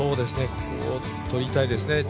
ここ、とりたいですね